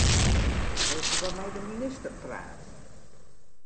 Wy hawwe mei de minister praat.